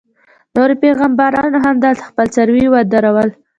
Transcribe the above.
نورو پیغمبرانو هم دلته خپل څاروي ودرول.